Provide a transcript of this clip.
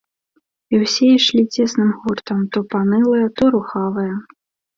І ўсе ішлі цесным гуртам то панылыя, то рухавыя.